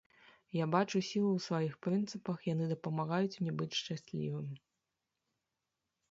Я бачу сілу ў сваіх прынцыпах, яны дапамагаюць мне быць шчаслівым.